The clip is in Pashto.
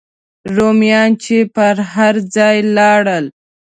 رومیان چې به هر ځای لاړل.